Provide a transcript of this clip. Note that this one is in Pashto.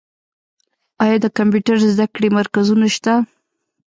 آیا د کمپیوټر زده کړې مرکزونه شته؟